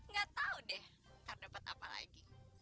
gak tau deh ntar dapet apa lagi